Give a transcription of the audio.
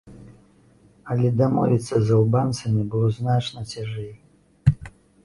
Але дамовіцца з албанцамі было значна цяжэй.